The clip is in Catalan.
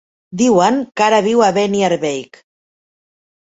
Diuen que ara viu a Beniarbeig.